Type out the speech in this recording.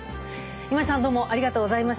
今井さんどうもありがとうございました。